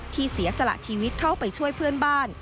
เสียสละชีวิตเข้าไปช่วยเพื่อนบ้าน